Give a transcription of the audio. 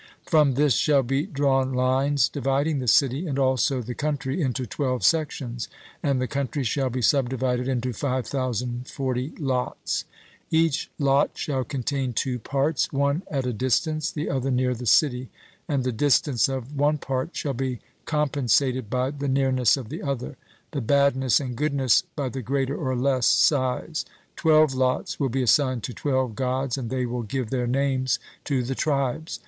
From this shall be drawn lines dividing the city, and also the country, into twelve sections, and the country shall be subdivided into 5040 lots. Each lot shall contain two parts, one at a distance, the other near the city; and the distance of one part shall be compensated by the nearness of the other, the badness and goodness by the greater or less size. Twelve lots will be assigned to twelve Gods, and they will give their names to the tribes.